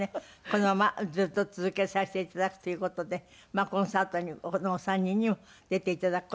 このままずっと続けさせていただくという事でコンサートにこのお三人にも出ていただく事